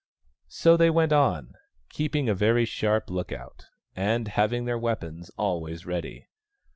So they went on, keeping a very sharp look out, and having their weapons always ready.